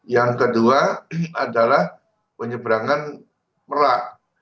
yang kedua adalah penyeberangan merak